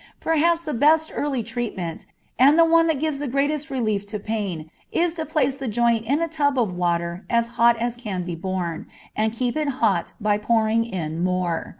Perhaps the best early treatment, and the one that gives the greatest relief to pain, is to place the joint in a tub of water as hot as can be borne, and keep it hot by pouring in more.